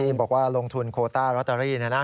บอกว่าลงทุนโคต้ารอตเตอรี่นะนะ